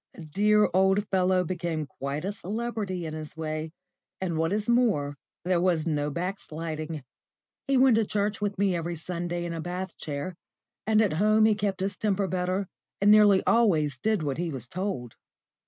The dear old fellow became quite a celebrity in his way, and, what is more, there was no backsliding; he went to church with me every Sunday in a bath chair, and at home he kept his temper better, and nearly always did what he was told.